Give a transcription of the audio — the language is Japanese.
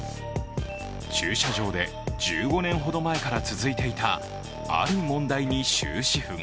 駐車場で１５年ほど前から続いていたある問題に終止符が。